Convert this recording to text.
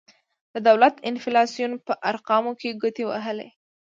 د دولت د انفلاسیون په ارقامو کې ګوتې وهلي.